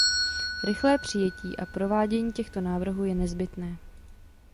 Rychlé přijetí a provádění těchto návrhů je nezbytné.